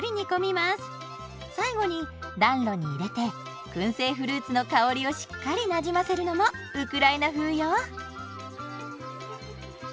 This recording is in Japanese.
最後に暖炉に入れてくん製フルーツの香りをしっかりなじませるのもウクライナ風よ。